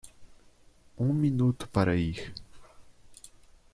Um minuto para ir!